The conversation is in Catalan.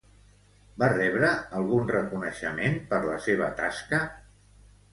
Va rebre algun reconeixement per la seva tasca?